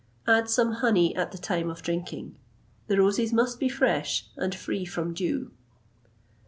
Add some honey at the time of drinking. The roses must be fresh, and free from dew."